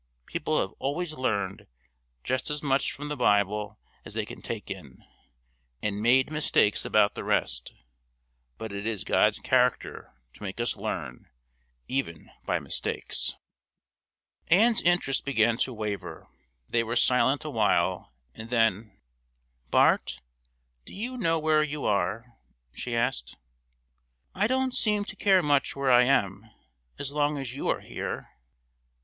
People have always learned just as much from the Bible as they can take in, and made mistakes about the rest; but it is God's character to make us learn even by mistakes." Ann's interest began to waver. They were silent awhile, and then, "Bart, do you know where you are?" she asked. "I don't seem to care much where I am, as long as you are here."